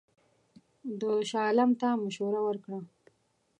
ده شاه عالم ته مشوره ورکړه.